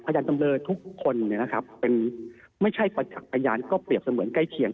จำเลยทุกคนไม่ใช่ประจักษ์พยานก็เปรียบเสมือนใกล้เคียง